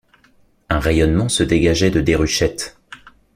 Un rayonnement se dégageait de Déruchette.